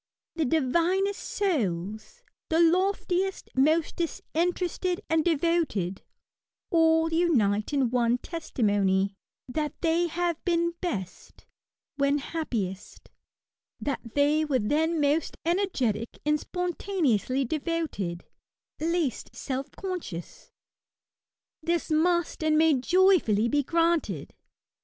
The divinest souls — the loftiest, most disinterested and devoted— rail unite in one testimony, that they have been best when happiest ; that they were then most energetic and spontaneously devoted — ^least self conscious* BECOMING INUBED. 151 This must and may joyfully be granted.